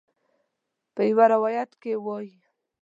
په یو روایت کې وایي.